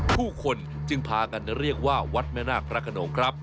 ผู้คนจึงพากันเรียกว่าวัดแม่นาคพระขนงครับ